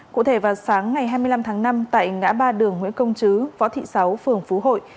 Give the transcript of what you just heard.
cụ thể vào sáng ngày hai mươi năm tháng năm tại ngã ba đường nguyễn công chứ võ thị sáu phường phú hội